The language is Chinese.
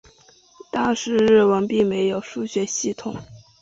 当时日文并没有书写系统。